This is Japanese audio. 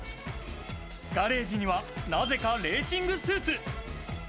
ガレージにはなぜかレーシングスーツ。